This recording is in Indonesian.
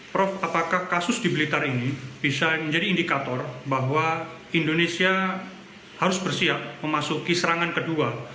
prof apakah kasus di blitar ini bisa menjadi indikator bahwa indonesia harus bersiap memasuki serangan kedua